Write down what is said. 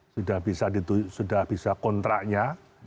sudah bisa kontraknya